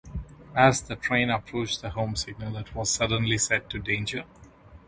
As the train approached the home signal it was suddenly set to 'danger'.